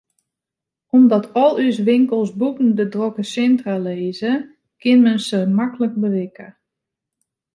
Omdat al ús winkels bûten de drokke sintra lizze, kin men se maklik berikke.